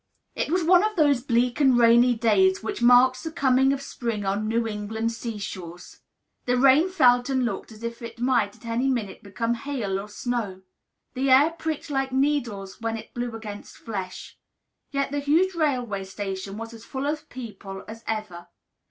It was one of those bleak and rainy days which mark the coming of spring on New England sea shores. The rain felt and looked as if it might at any minute become hail or snow; the air pricked like needles when it blew against flesh. Yet the huge railway station was as full of people as ever.